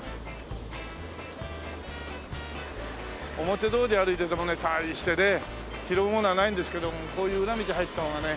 表通り歩いててもね大してね拾うものはないんですけどもこういう裏道入った方がね。